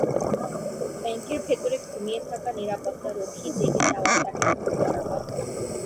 ব্যাংকের ভেতরে ঘুমিয়ে থাকা নিরাপত্তারক্ষী জেগে যাওয়ায় তাঁকে খুন করা হয়।